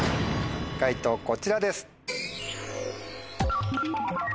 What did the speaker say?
解答こちらです。